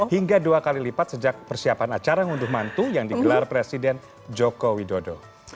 hingga dua kali lipat sejak persiapan acara hunduh mantu yang digelar presiden jokowi dodo